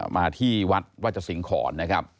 มาที่วัดวาชสิงห์ขอน